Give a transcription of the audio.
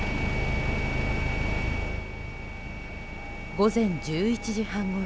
午前１１時半ごろ